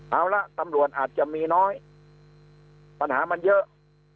เอาละตำรวจอาจจะมีน้อยปัญหามันเยอะ